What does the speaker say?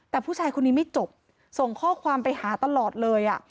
แต่ผู้ชายคนนี้ไม่จบส่งข้อความไปหาตลอดเลย